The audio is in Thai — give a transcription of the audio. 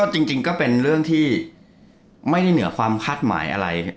จริงก็เป็นเรื่องที่ไม่ได้เหนือความคาดหมายอะไร